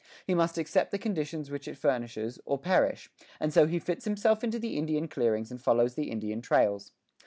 He must accept the conditions which it furnishes, or perish, and so he fits himself into the Indian clearings and follows the Indian trails.